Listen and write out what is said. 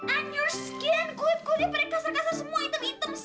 and your skin kulit kulit pada kasar kasar semua hitam hitam semua